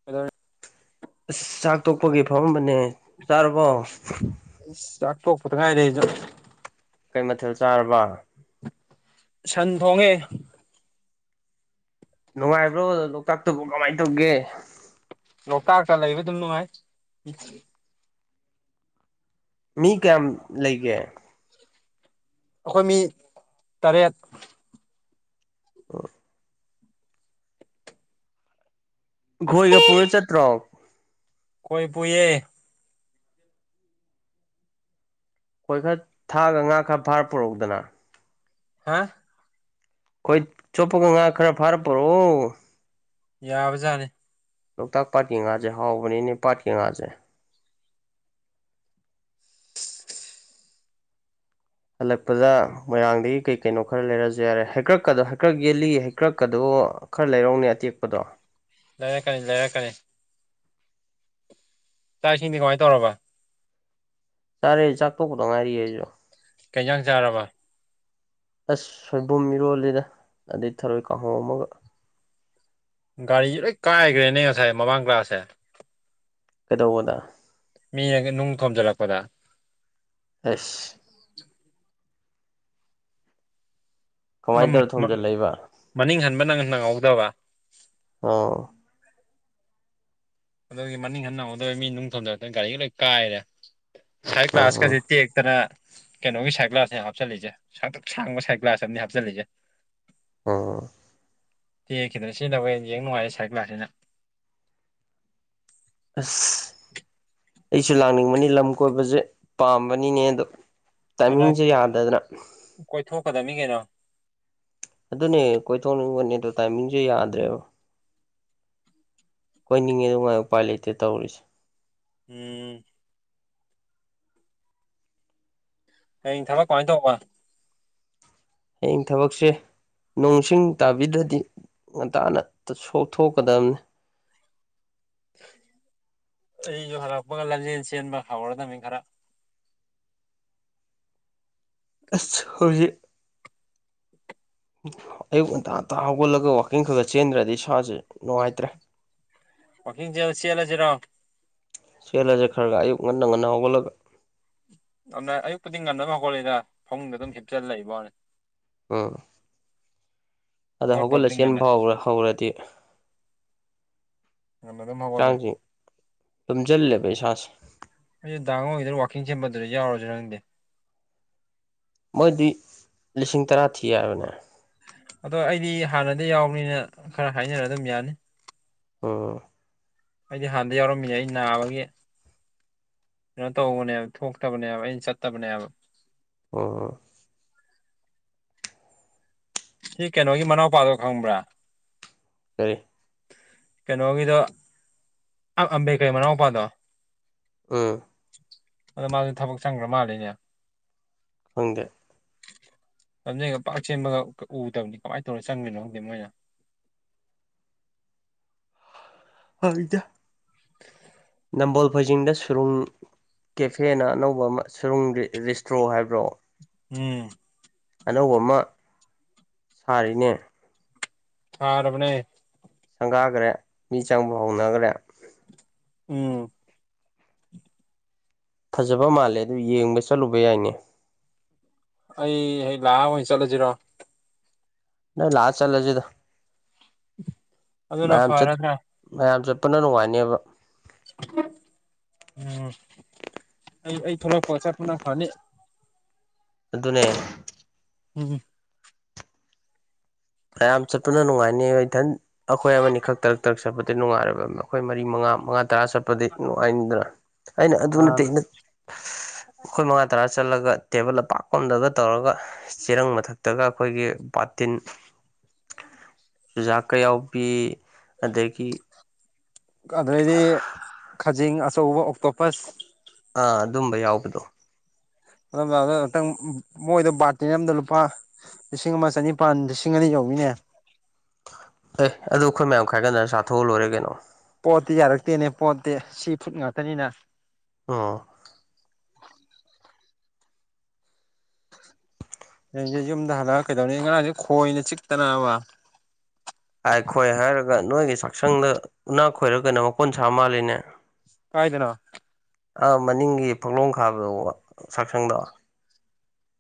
[unintelligible] ꯑꯁ ꯆꯥꯛ ꯇꯣꯛꯄꯒꯤ ꯐꯝꯕꯅꯦ ꯆꯥꯨꯔꯕꯣ ꯑꯁ ꯆꯥꯛꯇꯣꯛꯄꯗ ꯉꯥꯏꯔꯤ ꯑꯩꯁꯨ ꯀꯩ ꯃꯊꯦꯜ ꯆꯥꯔꯕ ꯁꯟ ꯊꯣꯡꯉꯦ ꯅꯨꯡꯉꯥꯏꯕ꯭ꯔꯣ ꯂꯣꯛꯇꯥꯛꯇꯨꯕꯨ ꯀꯃꯥꯏꯅ ꯇꯧꯒꯦ ꯂꯣꯛꯇꯥꯛꯇ ꯂꯩꯕ ꯑꯗꯨꯝ ꯅꯨꯡꯉꯥꯏ ꯃꯤ ꯀꯌꯥꯝ ꯂꯩꯒꯦ ꯑꯩꯈꯣꯏ ꯃꯤ ꯇꯔꯦꯠ ꯑꯝ ꯈꯣꯏꯒ ꯄꯨꯔ ꯆꯠꯇ꯭ꯔꯣ ꯈꯣꯏ ꯄꯨꯌꯦ ꯈꯣꯏ ꯈꯔ ꯊꯥꯒ ꯉꯥ ꯈꯔ ꯐꯥꯔ ꯄꯨꯔꯛꯎꯗꯅ ꯍꯥ ꯈꯣꯏ ꯆꯣꯄꯒ ꯉꯥ ꯈꯔ ꯐꯥꯔꯛꯑꯣ ꯌꯥꯕꯖꯥꯠꯅꯤ ꯂꯣꯛꯇꯥꯛ ꯄꯥꯠꯀꯤ ꯉꯥꯁꯦ ꯍꯥꯎꯕꯅꯤꯅꯦ ꯄꯥꯠꯀꯤ ꯉꯥꯁꯦ ꯍꯜꯂꯛꯄꯗ ꯃꯣꯏꯔꯥꯡꯗꯒꯤ ꯀꯩ ꯀꯩꯅꯣ ꯈꯔ ꯂꯩꯔꯁꯨ ꯌꯥꯔꯦ ꯍꯩꯀ꯭ꯔꯛꯀꯗꯣ ꯍꯩꯀ꯭ꯔꯛ ꯌꯦꯜꯂꯤ ꯍꯩꯀ꯭ꯔꯛꯀꯗꯣ ꯈꯔ ꯂꯩꯔꯧꯅꯦ ꯑꯇꯦꯛꯄꯗꯣ ꯂꯩꯔꯛꯀꯅꯤ ꯂꯩꯔꯛꯀꯅꯤ ꯆꯥꯛ ꯏꯁꯤꯡꯗꯤ ꯀꯃꯥꯏꯅ ꯇꯧꯔꯕ ꯆꯥꯔꯦ ꯆꯥꯛ ꯇꯣꯛꯄꯗꯣ ꯉꯥꯏꯔꯤꯌꯦ ꯑꯩꯁꯨ ꯀꯩꯖꯥꯡ ꯆꯥꯔꯕ ꯑꯁ ꯁꯣꯏꯕꯨꯝ ꯃꯤꯔꯣꯜꯂꯤꯗ ꯑꯗꯩ ꯊꯔꯣꯏ ꯀꯥꯡꯍꯧ ꯑꯃꯒ ꯒꯥꯔꯤꯁ ꯂꯣꯏ ꯀꯥꯏꯈ꯭ꯔꯦꯅꯦ ꯉꯁꯥꯏ ꯃꯃꯥꯡꯒꯥꯁꯦ ꯀꯩꯗꯧꯕꯗ ꯃꯤ ꯅꯨꯡ ꯊꯣꯝꯖꯤꯜꯂꯛꯄꯗ ꯑꯁ ꯀꯃꯥꯏꯅ ꯇꯧꯔ ꯊꯣꯝꯖꯤꯜꯂꯛꯏꯕ ꯃꯅꯤꯡ ꯍꯟꯕ ꯅꯪ ꯅꯪꯍꯧꯗꯕ ꯑꯥ ꯑꯗꯨꯒꯤ ꯃꯅꯤꯡ ꯍꯟꯅ ꯎꯧꯗꯣꯏ ꯃꯤꯅꯨꯡ ꯊꯣꯟꯖꯔꯛꯇꯣꯏ ꯒꯥꯔꯤꯒ ꯂꯣꯏ ꯀꯥꯏꯔꯦ ꯍꯥꯏꯥꯏ ꯀꯂ ꯑꯣ ꯑꯣ ꯑꯥꯁꯀꯥꯁꯠꯇꯦ ꯇꯔꯥ ꯀꯩꯅꯣꯒꯤ ꯁꯥꯏꯒ꯭ꯂꯥꯁꯅꯦ ꯍꯥꯞꯆꯜꯂꯤꯁꯦ ꯁꯥꯡꯗꯛ ꯁꯥꯡꯕ ꯁꯥꯏꯀ꯭ꯂꯥꯁ ꯑ ꯍꯥꯞꯆꯤꯜꯂꯤꯁꯦ ꯎꯝ ꯇꯦꯛꯈꯤꯗꯅ ꯁꯤꯖꯤꯟꯅꯕ ꯍꯦ ꯌꯦꯡ ꯅꯨꯡꯉꯥꯏꯌꯦꯦ ꯁꯥꯏꯠ ꯀ꯭ꯂ꯭ꯂꯥꯁꯤꯅ ꯑꯁ ꯑꯩꯁꯨ ꯂꯥꯛꯅꯤꯡꯕꯅꯤ ꯂꯝ ꯀꯣꯏꯕꯁꯦ ꯄꯥꯝꯕꯅꯤꯅꯦ ꯑꯗꯣ ꯇꯥꯏꯃꯤꯡꯁꯦ ꯌꯥꯗꯗꯅ ꯀꯣꯏꯊꯣꯛꯀꯗꯃꯤ ꯀꯅ ꯑꯗꯨꯅꯦ ꯀꯣꯏꯊꯣꯛꯅꯤꯡꯕꯅꯦ ꯑꯗꯣ ꯇꯥꯏꯃꯤꯡꯁꯨꯦ ꯌꯥꯗ꯭ꯔꯦꯕ ꯀꯣꯏꯅꯤꯡꯉꯦꯗ ꯉꯥꯏ ꯎꯄꯥꯏ ꯂꯩꯇꯦ ꯇꯧꯔꯤꯁꯦ ꯎꯝ ꯍꯌꯦꯡ ꯊꯕꯛ ꯀꯃꯥꯏꯅ ꯇꯧꯕ ꯍꯌꯦꯡ ꯊꯕꯛꯁꯦ ꯅꯣꯡꯁꯤꯡ ꯇꯥꯕꯤꯗ꯭ꯔꯗꯤ ꯉꯟꯇꯥꯅ ꯁꯣꯛꯊꯣꯛꯀꯗꯕꯅꯤ ꯑꯩꯁꯨ ꯍꯜꯂꯛꯄꯒ ꯂꯝꯖꯦꯟ ꯆꯦꯟꯕ ꯍꯧꯥꯎꯔꯗꯕꯅꯤ ꯈꯔ ꯑꯁ ꯍꯏ ꯑꯌꯨꯛ ꯉꯟꯇꯥ ꯉꯟꯇꯥ ꯍꯧꯒꯠꯂꯒ ꯋꯥꯋꯀꯤꯡ ꯈꯔ ꯈ ꯆꯦꯟꯗ꯭ꯔꯗꯤ ꯏꯁꯁꯨꯦ ꯅꯨꯡꯉꯥꯏꯇ꯭ꯔꯦ ꯄꯈꯤꯡ ꯁꯤ ꯌꯥꯂ ꯁꯤꯔꯣ ꯆꯦꯜꯂꯁꯦ ꯈꯔꯒ ꯑꯌꯛ ꯉꯟꯅ ꯉꯟꯅ ꯍꯧꯒꯠꯂꯒ ꯑꯗꯨꯅ ꯑꯌꯨꯛꯄꯗꯤ ꯉꯟꯅ ꯍꯧꯒꯠꯂꯤꯏꯗ ꯐꯃꯨꯡꯗ ꯑꯗꯨꯝ ꯍꯤꯞꯆꯜꯂꯏ ꯏꯕ ꯋꯥꯅꯤ ꯎꯝ ꯑꯗ ꯍꯧꯒꯠꯄꯕꯨꯗꯤ ꯍꯧꯒꯠꯂꯁꯦꯟꯕ ꯉꯟꯅ ꯐꯥꯎꯕ꯭ꯔꯥ ꯍꯧꯔꯗꯤ ꯉꯟꯅ ꯑꯗꯨꯝ ꯍꯧꯒꯠꯂꯦ ꯍꯛꯆꯥꯡꯁꯤ ꯇꯨꯝꯁꯤꯜꯂꯦꯕ ꯏꯁꯥꯁꯦ ꯑꯩꯁ ꯗꯥꯉꯣꯏꯗ ꯋꯥꯀꯤꯡ ꯁꯦꯝꯕꯗꯨꯗ ꯌꯥꯎꯔꯁꯨ ꯅꯪꯗꯦ ꯃꯣꯏꯗꯤ ꯂꯤꯁꯤꯡ ꯇꯔꯥ ꯊꯤ ꯍꯥꯏꯕꯅꯦ ꯑꯗꯣ ꯑꯩꯗꯤ ꯍꯥꯟꯅꯗꯤ ꯌꯥꯎꯕꯅꯤꯅ ꯈꯔ ꯍꯥꯏꯅꯔ ꯑꯗꯨꯝ ꯌꯥꯅꯤ ꯎꯝ ꯑꯩꯗꯤ ꯍꯥꯟꯅ ꯌꯥꯎꯔꯝꯃꯤꯅꯦ ꯑꯩ ꯅꯥꯕꯒꯤ ꯀꯩꯅꯣ ꯇꯧꯕꯅꯦꯕ ꯊꯣꯛꯇꯕꯅꯦꯕ ꯑꯩꯅ ꯆꯠꯇꯕꯅꯦꯕ ꯑꯣ ꯁꯤ ꯀꯩꯅꯣꯒꯤ ꯃꯅꯥꯎꯄꯥꯗꯣ ꯈꯪꯕ꯭ꯔꯥ ꯍ ꯀꯩꯅꯣꯒꯤꯗꯣ ꯑꯝꯕꯦꯀꯩ ꯃꯅꯥꯎ ꯃꯄꯥꯗꯣ ꯑꯥ ꯑꯗꯣ ꯃꯥꯁꯨ ꯊꯕꯛ ꯆꯪꯈ꯭ꯔ ꯃꯥꯜꯂꯤꯅꯦ ꯐꯪꯗꯦ ꯑꯗꯨꯒ ꯄꯥꯛ ꯁꯦꯝꯕꯒ ꯎꯗꯕꯅꯤ ꯀꯃꯥꯏꯅ ꯇꯧꯅ ꯆꯪꯗꯅꯣ ꯍꯧꯪꯖꯤꯦ ꯃꯣꯏꯅ ꯍ ꯏꯗ ꯅꯝꯕꯣꯜ ꯐꯩꯖꯤꯡꯗ ꯁꯨꯔꯨꯡ ꯀꯦꯐꯦꯅ ꯑꯅꯧꯕ ꯑꯃ ꯁꯨꯔꯨꯡ ꯔꯦꯁꯇ꯭ꯔꯣ ꯍꯥꯏꯕ꯭ꯔꯣ ꯎꯝ ꯑꯅꯧꯕ ꯑꯃ ꯁꯥꯔꯤꯅꯦ ꯊꯔꯕꯅꯦ ꯁꯪꯒꯥꯈ꯭ꯔꯦ ꯃꯤ ꯆꯪꯕ ꯍꯧꯅꯈ꯭ꯔꯦ ꯎꯝ ꯐꯖꯕ ꯃꯥꯜꯂꯦ ꯑꯗꯨ ꯌꯦꯡꯕ ꯆꯠꯂꯨꯕ ꯌꯥꯏꯅꯦ ꯑꯩ ꯍ ꯂꯥꯛꯑ ꯑꯣꯏꯅ ꯆꯠꯂꯁꯤꯔꯣ ꯅ ꯂꯥꯁ ꯆꯂꯁꯤꯦꯗ ꯑꯗꯨꯅ ꯃꯆ ꯐꯔꯗ꯭ꯔꯥ ꯃꯌꯥꯝ ꯆꯠꯄꯅ ꯅꯨꯡꯉꯥꯏꯅꯦꯕ ꯎꯝ ꯑꯩ ꯑꯩ ꯊꯣꯛꯂꯛꯄ ꯑ ꯆꯠꯄꯅ ꯐꯅꯤ ꯑꯗꯨꯅꯦ ꯎꯝ ꯀꯌꯥꯝ ꯆꯠꯄꯅ ꯅꯨꯡꯉꯥꯏꯅꯤ ꯏꯊꯟ ꯑꯩꯈꯣꯏ ꯑꯃꯅꯤ ꯈꯛ ꯇꯔꯛ ꯇꯔꯛ ꯆꯠꯄꯗꯤ ꯅꯨꯡꯉꯥꯏꯕ ꯑꯩꯈꯣꯏ ꯃꯔꯤ ꯃꯉꯥ ꯃꯉꯥ ꯇꯔꯥ ꯆꯠꯄꯗꯤ ꯅꯨꯡꯉꯥꯏꯅꯤꯗꯅ ꯑꯩꯅ ꯑꯗꯨ ꯅꯠꯇꯦ ꯑꯩꯅ ꯑꯩꯈꯣꯏ ꯃꯉꯥ ꯇꯔꯥ ꯆꯠꯂꯒ ꯇꯦꯕꯜ ꯑꯄꯥꯛꯄꯝꯗꯒ ꯇꯧꯔꯒ ꯆꯦꯔꯪ ꯃꯊꯛꯇꯒ ꯑꯩꯈꯣꯏꯒꯤ ꯕꯥꯥꯇꯤꯟ ꯆꯖꯥꯛꯀ ꯌꯥꯎꯕꯤ ꯑꯗꯒꯤ ꯑꯗꯩꯗꯤ ꯈꯖꯤꯡ ꯑꯆꯧꯕ ꯑꯣꯛꯇꯣꯄꯁ ꯑꯥ ꯑꯗꯨꯝꯕ ꯌꯥꯎꯕꯗꯣ ꯑꯗꯨ ꯉꯇꯪ ꯃꯣꯏꯗ ꯕꯥꯔꯇꯤꯟ ꯑꯃꯗ ꯂꯨꯄꯥ ꯂꯤꯁꯤꯡ ꯑꯃ ꯆꯅꯤꯄꯥꯥꯟ ꯂꯤꯁꯤꯡ ꯑꯅꯤ ꯌꯧꯤꯅꯦ ꯑꯦ ꯑꯗꯨ ꯑꯩꯈꯣꯏ ꯃꯌꯥꯝ ꯈꯥꯏꯒꯠꯗꯅ ꯆꯥꯊꯣꯛꯑ ꯂꯣꯏꯔꯦ ꯀꯩꯅꯣ ꯄꯣꯠꯇꯤ ꯌꯥꯔꯛꯇꯦꯅꯦ ꯄꯣꯠꯇꯤ ꯁꯤ ꯐꯨꯠ ꯉꯥꯛꯇꯅꯤꯅ ꯑꯥ ꯅꯁꯦ ꯌꯨꯝꯗ ꯍꯜꯂꯛꯑꯒ ꯀꯩꯗꯧꯅꯤ ꯉꯔꯥꯡꯁꯦ ꯈꯣꯏꯅ ꯆꯤꯛꯇꯅꯕ ꯑꯥꯏ ꯈꯣꯏ ꯍꯥꯏꯔꯒ ꯅꯣꯏꯒꯤ ꯆꯥꯛꯁꯪꯗ ꯎꯅꯥ ꯈꯣꯏꯔꯒꯅ ꯃꯀꯣꯟ ꯁꯥ ꯃꯥꯜꯂꯤꯅꯦ ꯀꯥꯏꯗꯅꯣ ꯑꯥ ꯃꯅꯤꯡꯒꯤ ꯐꯛꯂꯣꯝ ꯈꯥꯕꯗ ꯁꯛꯁꯪꯗ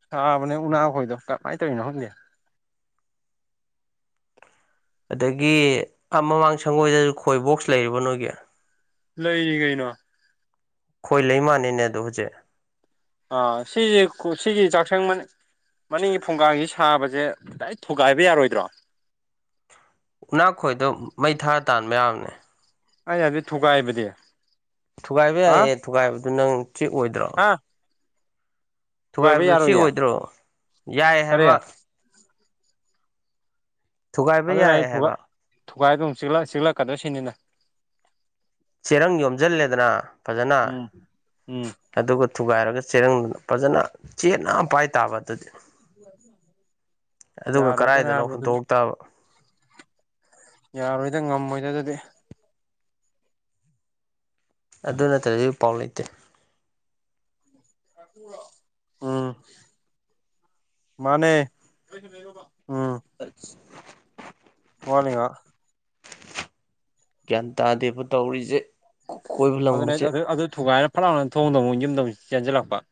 ꯊꯥꯕꯅꯦ ꯎꯅꯥꯈꯣꯏꯣ ꯀꯃꯥꯏꯅ ꯇꯧꯔꯤꯅꯣ ꯈꯪꯗꯦ ꯑꯗꯒꯤ ꯃꯃꯥꯡ ꯁꯪꯒꯣꯏꯗꯁꯨ ꯈꯣꯏꯕꯣꯛꯁ ꯂꯩꯔꯤꯕ ꯅꯣꯏꯒꯤ ꯂꯩꯔꯤ ꯀꯩꯅꯣ ꯑꯩꯈꯣꯏ ꯂꯩꯃꯥꯟꯅꯤꯅꯦ ꯑꯗꯣ ꯍꯧꯖꯤꯛ ꯑꯥ ꯁꯤꯁꯦ ꯁꯤꯒꯤ ꯆꯥꯛꯁꯪꯕꯅꯤ ꯃꯅꯤꯡꯒꯤ ꯐꯣꯡꯒꯁꯤ ꯁꯥꯕꯁꯦ ꯈꯤꯗꯥꯏ ꯊꯨꯒꯥꯏꯕ ꯌꯥꯔꯣꯏꯗ꯭ꯔꯣ ꯎꯛꯅꯥꯛꯈꯣꯏꯗꯣ ꯃꯩ ꯊꯥꯔ ꯇꯥꯟꯕ ꯌꯥꯕꯅꯦ ꯑꯩ ꯌꯥꯗ ꯊ ꯊꯣꯛꯒꯥꯏꯏꯕꯗꯤ ꯊꯨꯒꯥꯏꯕ ꯌꯥꯏꯌꯦ ꯊꯨꯒꯥꯏꯕꯗꯨ ꯅꯪ ꯆꯤꯛ ꯑꯣꯏꯏꯗ꯭ꯔꯣ ꯍꯥ ꯊꯨꯒꯥꯏꯕ ꯊꯨꯒꯥꯏꯕꯗꯨꯣ ꯁꯤ ꯌꯥꯔꯣꯏꯌꯦ ꯑꯣꯏꯗ꯭ꯔꯣ ꯌꯥꯏ ꯀꯔꯤ ꯍꯥꯏꯕ ꯊꯨꯒꯥꯏꯕ ꯑꯗꯨꯅ ꯑꯩ ꯌꯥꯏ ꯍꯥꯏꯕ ꯊꯨꯒꯥꯏꯗꯨ ꯆꯤꯛꯀꯗ꯭ꯔ ꯁꯤꯅꯤꯅ ꯆꯦꯔꯪ ꯌꯣꯝꯁꯤꯜꯂꯦꯗꯅ ꯐꯖꯅ ꯎꯝ ꯎꯝ ꯑꯗꯨꯒ ꯊꯨꯒꯥꯏꯔꯒ ꯆꯦꯔꯪꯗꯨꯅ ꯐꯖꯅ ꯆꯦꯠꯅ ꯄꯥꯏ ꯇꯥꯕ ꯑꯗꯨꯗꯤ ꯑꯗꯨꯒ ꯌꯥꯔꯣꯏꯗ ꯀꯗꯥꯥꯏꯗꯅꯣ ꯅꯥꯕ ꯑꯗꯨꯗꯤ ꯍꯨꯟꯇꯣꯛ ꯇꯕ ꯌꯥꯔꯣꯏꯗ ꯉꯝꯃꯣꯏꯗ ꯑꯗꯨꯗꯤ ꯑꯗꯨ ꯅꯠꯇ꯭ꯔꯗꯤ ꯄꯥꯎ ꯂꯩꯇꯦ ꯎꯝ ꯃꯅꯦ ꯎꯝ ꯐꯔꯁ ꯋꯥꯂꯤꯉ ꯒ꯭ꯌꯥꯟ ꯇꯥꯗꯦꯕ ꯇꯧꯔꯤꯁꯦ ꯀꯣꯏꯕ ꯑꯗꯨꯅ ꯂꯪꯕꯁꯦ ꯑꯗꯨ ꯑꯗꯨ ꯊꯨꯒꯥꯏꯔꯅ ꯐꯠ ꯍꯅ ꯊꯣꯡꯗꯧ ꯑꯃꯨꯛ ꯌꯨꯝꯗꯧꯛ ꯆꯦꯟꯁꯤꯜꯂꯛꯄ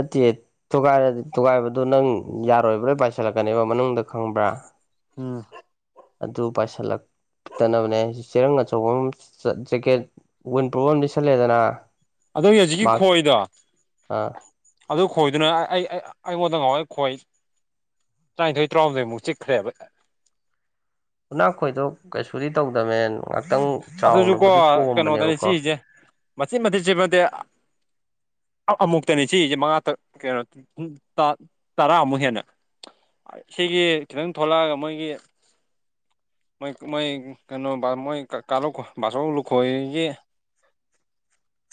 ꯑꯇꯦꯠ ꯊꯨꯒꯥꯏꯔꯗꯨ ꯊꯨꯒꯥꯏꯕꯗꯨ ꯅꯪ ꯌꯥꯔꯣꯏꯕ꯭ꯔꯥ ꯄꯥꯏꯁꯤꯜꯂꯛꯀꯅꯤꯕ ꯃꯅꯨꯡꯗ ꯈꯪꯕ꯭ꯔꯥ꯫ ꯎꯝ꯫ ꯑꯗꯨ ꯄꯥꯏꯁꯤꯜꯂꯛ ꯇꯅꯕꯅꯦ ꯍꯥꯏꯁꯤ ꯆꯦꯔꯪ ꯑꯆꯧꯕ ꯑꯃ ꯆ ꯖꯦꯀꯦꯠ ꯋꯤꯟ ꯄ꯭ꯔꯨꯞ ꯑꯝ ꯂꯤꯠꯁꯜꯂꯦꯗꯅꯥ꯫ ꯑꯗꫭꯏꯒꯤ ꯍꯧꯖꯤꯛꯀꯤ ꯈꯣꯏꯗꫭ ꯑꯥ ꯑꯗꯨ ꯈꯣꯏꯗꯨꯅ ꯑꯩ ꯑꯩ ꯑꯩꯉꯣꯟꯗ ꯉꯥꯎꯋꯩ ꯑꯩ ꯈꯣꯏ ꯇꯔꯥꯅꯤꯊꯣꯏ ꯇꯔꯍꯨꯝꯗꯣꯏꯃꯨꯛ ꯆꯤꯈ꯭ꯔꯦꯕ꯫ ꯎꯅꯥꯛꯈꯣꯏꯗꯣ ꯀꯩꯁꯨꯗꯤ ꯇꯧꯗꯝꯃꯦ ꯉꯍꯥꯛꯇꯪ ꯑꯗꯨꯁꯨꯀꯣ ꯆꯥꯎꯅꯕꯨꯗꯤ ꯄꯣꯝꯕꯅꯦꯕꯀꯣ꯫ ꯃꯆꯦꯠ ꯃꯊꯦ ꯆꯦꯄꯟꯇꯦ ꯑ ꯑ ꯑꯃꯨꯛꯇꯅꯦ ꯆꯤꯛꯏꯁꯦ ꯃꯉꯥ ꯇ ꯀꯩꯅꯣ ꯇꯥ ꯇꯔꯥꯃꯨꯛ ꯍꯦꯟꯅ꯫ ꯁꯤꯒꯤ ꯈꯤꯇꯪ ꯊꯣꯛꯂꯛꯑꯒ ꯃꯣꯏꯒꯤ ꯃꯣꯏ ꯃꯣꯏ ꯀꯩꯅꯣ ꯕꯥ ꯃꯣꯏ ꯀ ꯀꯥꯂꫭꯛꯈꫭ ꯕꯥꯆꯧꯧ ꯂꯨꯈꯣꯏꯍꫭꯏꯒꯤ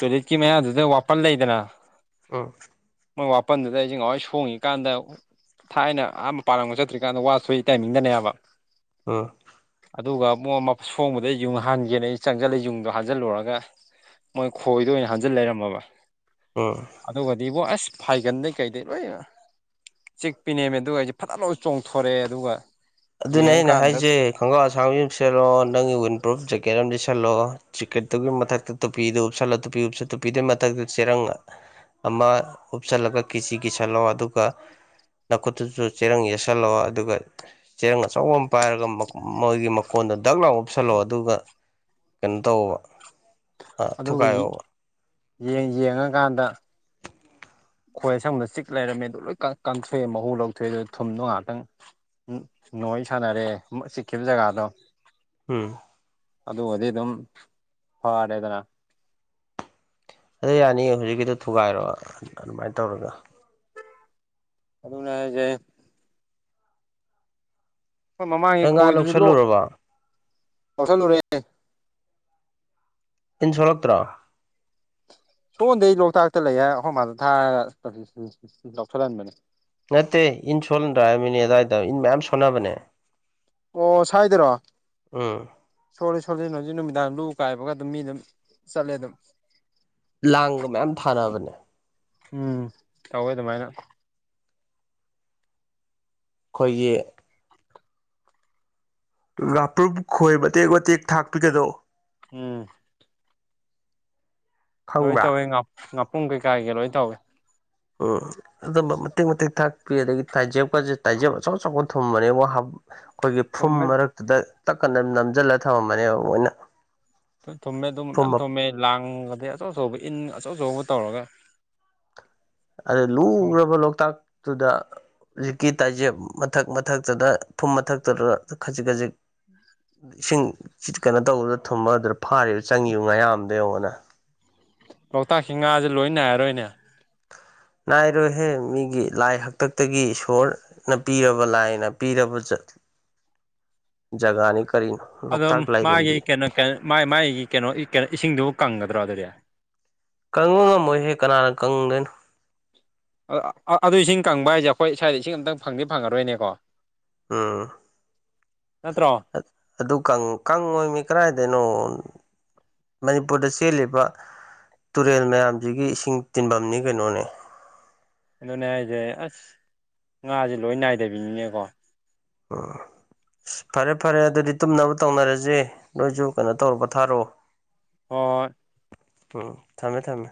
ꯇꯣꯏꯂꯦꯠꯀꯤ ꯃꯌꯥꯗꯨꯗ ꯋꯥꯄꯜ ꯂꯩꯗꯅ ꯎꯝ꯫ ꯃꯣꯏ ꯋꯥꯄꯟꯗꯨꯗ ꯑꯩꯁꯦ ꯉꯍꯋꫭꯏ ꯁꯣꯡꯉꯤ ꯀꯥꯟꯗ ꯊꯥꯏꯅ ꯑ ꯃꯄꯥꯟ ꯂꯝꯒ ꯆꯠꯇ꯭ꯔꯤꯀꯥꯟꯗ ꯋꯥ ꯁꯣꯏ ꯇꯥꯏꯃꯤꯡꯗꯅꯦꯕ꯫ ꯎꯝ꯫ ꯑꯗꯨꯒ ꯑꯃꯨꯛ ꯃ ꯁꯣꯡꯕꯗ ꯌꯨꯡ ꯍꯥꯟꯒꯦꯅ ꯑꯩ ꯆꯪꯁꯤꯜꯂ ꯌꯨꯡꯗꯣ ꯍꯥꯟꯖꯤꯜꯂꯨꯔꯒ ꯃꯣꯏ ꯈꯣꯏꯗ ꯑꯣꯏꯅ ꯍꯟꯖꯤꯟ ꯂꯩꯔꯝꯃꯕ꯫ ꯎꯝ꯫ ꯑꯗꯨꯒꯗꯤ ꯏꯕꯣ ꯑꯁ ꯐꯥꯏꯒꯟꯗꯩ ꯀꯩꯗꯩ ꯂꯣꯏ ꯑ꯫ ꯆꯤꯛꯄꯤꯅꯦꯃꯦ ꯑꯗꯨꯒ ꯑꯩꯁꯦ ꯐꯠꯂꯥꯎꯅ ꯆꯣꯡꯊꯣꯔꯛꯑꯦ ꯑꯗꯨꯒ ꯑꯗꯨꯅꯦ ꯑꯩꯅ ꯌꯦꯡꯉꯀꯥꯟꯗ ꯍꯥꯏꯁꯦ꯫ ꯈꯣꯡꯒꯥꯎ ꯑꯁꯥꯡꯕꯤ ꯑꯃ ꯁꯦꯠꯂꯣ ꯅꯪꯒꯤ ꯋꯤꯟ ꯄ꯭ꯔꯨꯐ ꯖꯦꯀꯦꯠ ꯑꯃ ꯂꯤꯠꯁꯜꯂꯛꯑꯣ ꯖꯦꯀꯦꯠꯇꯨꯒꯤ ꯃꯊꯛꯇ ꯇꯨꯄꯤꯗꯨ ꯎꯞꯁꯜꯂꯣ ꯇꯨꯄꯤ ꯎꯞꯁ ꯇꯨꯄꯤꯗꯨꯒꯤ ꯃꯊꯛꯇꯗ ꯆꯦꯔꯪ ꯑꯃ ꯎꯞꯁꯜꯂꯒ ꯀꯤꯁꯤ ꯀꯤꯁꯜꯂꯣ ꯑꯗꯨꯒ ꯅꯥꯈꯨꯠꯇꯨꯁꯨ ꯆꯦꯔꯪ ꯌꯦꯠꯁꯜꯂꯣ ꯑꯗꯨꯒ ꯆꯦꯔꯪ ꯑꯆꯧꯕ ꯑꯃ ꯄꯥꯏꯔꯒ ꯃ ꯃꯣꯏꯒꯤ ꯃꯀꯣꯟꯗꯣ ꯗꯛ ꯂꯥꯎ ꯎꯞꯁꯜꯂꯛꯑꯣ ꯑꯗꯨꯒ ꯀꯩꯅꯣ ꯇꯧꯑꫭꯕ꯫ ꯑꯗꯨꯒ ꯌꯤ ꯌꯦꯡ ꯌꯦꯡꯉꯀꯥꯟꯗ ꯈꯣꯏ ꯑꯁꯪꯕꯗ ꯆꯤꯛ ꯂꯩꯔꯝꯃꯦꯗꯣ ꯂꯣꯏ ꯀꯪ ꯀꯪꯊꯣꯛꯑꯦ ꯃꯍꯨ ꯂꯧꯊꯣꯛꯑꯦ ꯑꯗꯨ ꯊꯨꯝꯗꯣ ꯉꯥꯏꯍꯥꯛꯇꯪ ꯎꯝ ꯅꯣꯏ ꯁꯥꯟꯅꯔꯦ ꯆꯤꯛꯈꯤꯕ ꯖꯒꯥꯗꯣ꯫ ꯎꯝ꯫ ꯑꯗꯨꯒꯗꯤ ꯑꯗꯨꯝ ꯐꯔꯦꯗꯅ꯫ ꯑꯗ ꯌꯥꯅꯤꯌꯦ ꯍꯧꯖꯤꯛꯀꯤꯗꯣ ꯊꯨꯒꯥꯏꯔꯣ ꯑꯗꯨꯃꯥꯏꯅ ꯇꯧꯔꯒ꯫ ꯑꯗꯨꯅꯦ ꯍꯥꯏꯁ ꯡꯦ꯫ ꯍꯣꯏ ꯃꯃꯥꯡꯒꯤ ꯅꯪ ꯉꯥ ꯈꯣꯏꯗꯨꯁꯨ ꯂꯣꯛ ꯂꯧꯁꯜꯂꯨꯔꯕ ꯂꯧꯁꯜꯂꯨꯔꯦ꯫ ꯏꯟꯁꯣꯔꯛꯇ꯭ꯔꫭ꯫ ꯁꯣꯟꯗꯦ ꯑꯩ ꯂꯣꯛꯇꯥꯛꯇ ꯂꯩꯌꯦ ꯍꯥ ꯑꯈꫭ ꯃꯥꯗ ꯊꯥꯔ ꯂꯧꯁꯜꯍꯟꯕꯅꯦ꯫ ꯅꯠꯇꯦ ꯏꯟ ꯁꯣꯟꯗ꯭ꯔꯥ ꯍꯥꯏꯕꯅꯦ ꯑꯗꯨꯋꯥꯏꯗ ꯏꯟ ꯃꯌꯥꯝ ꯁꯣꯟꯅꯕꯅꯦ꯫ ꯑꯣ ꯁ꯭ꯋꯥꯏꯗꯔꯣ꯫ ꯎꯝ꯫ ꯁꯣꯜꯂꯤ ꯁꯣꯜꯂꯤ ꯅ ꯍꯧꯖꯤꯛ ꯅꯨꯃꯤꯗꯥꯡ ꯂꯨ ꯀꯥꯏꯕꯒ ꯑꯗꯨꯝ ꯃꯤ ꯑꯗꯨꯝ ꯆꯠꯂꯦ ꯑꯗꯨꯝ꯫ ꯂꯥꯡꯒ ꯃꯌꯥꯝ ꯊꯥꯑꯅꯕꯅꯦ꯫ ꯎꯝ ꯇꯧꯋꯦ ꯑꯗꯨꯃꯥꯏꯅ꯫ ꯑꯈꯣꯏꯒꯤ ꯉꯥꯄ꯭ꯔꯨꯝ ꯈꯣꯏ ꯃꯇꯦꯛ ꯋꯥꯇꯦꯛ ꯊꯥꯛꯄꯤꯒꯗꯣ꯫ ꯎꯝ꯫ ꯂꯣꯏ ꯈꯪꯕ꯭ꯔꯥ ꯇꯧꯏꯤ ꯉꯥꯄꯨꯝ ꯀꯩꯀꯥꯒꯤ ꯂꯣꯏ ꯇꯧꯏꯤ ꯎꯝ ꯑꯗꯨꯝꯕ ꯃꯇꯦꯛ ꯃꯇꯦꯛ ꯊꯥꯛꯄꯤ ꯑꯗꯒꯤ ꯇꯥꯏꯖꯦꯞꯀꯁꯦ ꯇꯥꯏꯖꯦꯞ ꯑꯆꯧ ꯑꯆꯧꯕ ꯊꯨꯝꯕꯅꯦꯕꯣ ꯑꯩꯈꯣꯏꯒꯤ ꯐꯨꯝ ꯊꯨꯝꯃꯦ ꯃꯔꯛꯇꯨꯗ ꯇꯛꯀꯅ ꯅꯝꯁꯤꯜꯂ ꯊꯝꯃꯝꯃꯅꯦꯕ ꯃꯣꯏꯅ ꯊꯨꯝꯃꯦ ꯑꯗꯨꯝ ꯃꯌꯥꯝ ꯐꯨꯝ ꯊꯨꯝꯃꯦ ꯂꯥꯡ ꯑꯗꯒꯤ ꯑꯆꯧ ꯑꯆꯧꯕ ꯏꯟ ꯑꯆꯧ ꯑꯆꯧꯕ ꯇꯧꯔꯒ ꯑꯗꯨꯗ ꯂꯨꯒꯔ꯭ ꯕ ꯂꯣꯛꯇꯥꯛꯇꯨꯗ ꯍꯧꯖꯤꯛꯀꯤ ꯇꯥꯏꯖꯦꯞ ꯃꯊꯛ ꯃꯊꯛꯇꯨꯗ ꯐꯨꯝ ꯃꯊꯛꯇꯨꯗ ꯈꯖꯤꯛ ꯈꯖꯤꯛ ꯏꯁꯤꯡ ꯀꯩꯅꯣ ꯇꯧꯕꯗꯨꯗ ꯊꯨꯝꯃ ꯑꯗꯨꯗ ꯐꯥꯔꯤꯕ ꯆꯪꯉꯤ ꯉꯥꯌꯥꯝꯗꯣ ꯌꯦꯡꯉꯣꯗꯅ ꯂꯣꯛꯇꯥꯛꯁꯤ ꯉꯥꯁꯦ ꯂꯣꯏ ꯅꯥꯏꯔꯔꯣꯏꯅꯦ ꯅꯥꯏꯔꯣꯏꯍꯦ ꯃꯤꯒꯤ ꯂꯥꯏ ꯍꯥꯛꯇꯛꯇꯒꯤ ꯏꯁꯣꯔ ꯄꯤꯔꯕ ꯂꯥꯏꯅ ꯄꯤꯔꯕ ꯖꯒꯥꯅꯤ ꯀꯔꯤꯅꯣ ꯑꯗꯣ ꯂꯣꯛꯇꯥꯛ ꯃꯥꯒꯤ ꯂꯥꯏꯔꯦꯝꯕꯤ ꯀꯩꯅꯣ ꯀꯩ ꯃꯥꯏꯒꯤ ꯀꯩꯅꯣ ꯀꯣ ꯏꯁꯤꯡꯗꯨꯕꯨ ꯀꯪꯒꯗ꯭ꯔꯣ ꯑꯗꯨꯗꯤ ꯀꯪꯕ ꯉꯝꯃꯣꯏꯍꯦ ꯀꯅꯥꯅ ꯀꯪꯗꯣꯏꯅꯣ ꯑ ꯑꯗꯨ ꯏꯁꯤꯡ ꯀꯪꯕ ꯍꯥꯏꯁꯦ ꯑꯩꯈꯣꯏ ꯏꯁ꯭ꯋꯥꯏꯗ ꯏꯁꯤꯡ ꯑꯃꯇ ꯐꯪꯗꯤ ꯐꯪꯉꯔꯣꯏꯅꯦꯀꯣ ꯎꯝ ꯅꯠꯇ꯭ꯔꯣ ꯑ ꯑꯗꯨ ꯀꯪꯉꯣꯏꯃꯤ ꯀꯗꯥꯥꯏꯗꯩꯩꯅꯣ ꯃꯅꯤꯄꯨꯔꯗ ꯆꯦꯜꯂꯤꯕ ꯇꯨꯔꯦꯜ ꯃꯌꯥꯝꯁꯤꯒꯤ ꯏꯁꯤꯡ ꯇꯤꯟꯐꯝꯅꯤ ꯀꯩꯅꯣꯅꯦ ꯑꯗꯨꯅꯦ ꯍꯥꯏꯁꯦ ꯑꯁ ꯉꯥꯁꯦ ꯂꯣꯏ ꯅꯥꯏꯗꯕꯤꯅꯤꯅꯦꯀꯣ ꯎꯝ ꯑꯁ ꯐꯔꯦ ꯐꯔꯦ ꯑꯗꯨꯗꯤ ꯇꯨꯝꯅꯕ ꯇꯧꯅꯔꯁꯦ ꯅꯣꯏꯁꯨ ꯀꯩꯅꯣ ꯇꯧꯔꯣ ꯄꯣꯊꯥꯔꯣ꯫ ꯍꯣꯏ ꯎꯝ ꯊꯝꯃꯦ ꯊꯝꯃꯦ